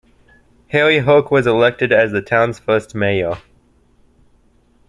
Harry Hoke was elected as the town's first mayor.